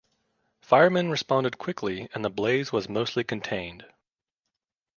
Fireman responded quickly and the blaze was mostly contained.